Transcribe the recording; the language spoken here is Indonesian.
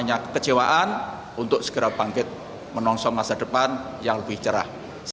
punya kekecewaan untuk segera bangkit menongsong masa depan yang lebih cerah